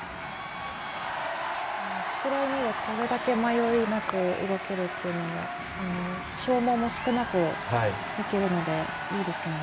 １トライ目で、これだけ迷いなく動けるというのは消耗も少なくできるのでいいですね。